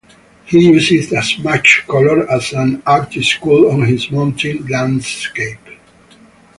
He used as much color as an artist could on his mountain landscapes.